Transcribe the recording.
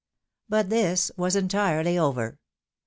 But this was entirely over.